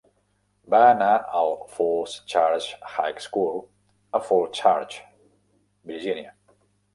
Va anar al Falls Church High School a Falls Church, Virginia.